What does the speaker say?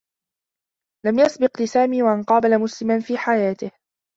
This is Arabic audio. لم يسبق لسامي و أن قابل مسلما في حياته.